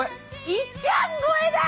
いっちゃん超えだ！